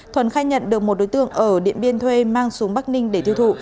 thuần khai nhận được một đối tượng ở điện biên thuê mang xuống bắc ninh để tiêu thụ